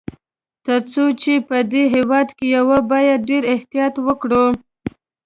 تر څو چي په دې هیواد کي یو، باید ډېر احتیاط وکړو.